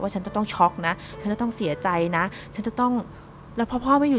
ฉันจะต้องช็อกนะฉันจะต้องเสียใจนะฉันจะต้องแล้วพอพ่อไม่อยู่